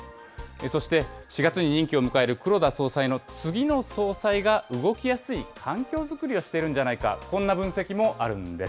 そして、４月に任期を迎える黒田総裁の次の総裁が動きやすい環境作りをしてるんじゃないか、こんな分析もあるんです。